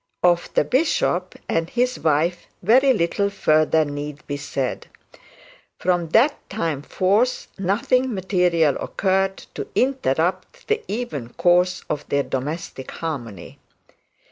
Of the bishop and his wife very little further need be said. From that time forth nothing material occurred to interrupt the even course of their domestic harmony.